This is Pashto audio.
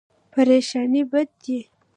پریشاني بد دی.